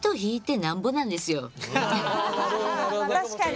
確かに。